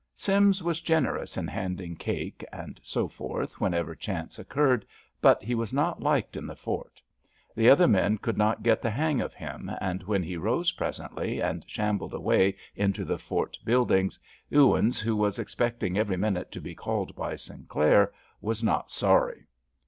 Sims was generous in handing cake and so forth whenever chance occurred, but he was not liked in the fort. The other men could not get the hang of him, and when he rose presently and shambled away into the fort buildings, Ewins, who was expecting every minute to be called by Sinclair, was not sorry.